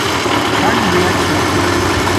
څین ہویاچھا